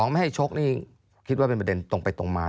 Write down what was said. ไม่ให้ชกนี่คิดว่าเป็นประเด็นตรงไปตรงมา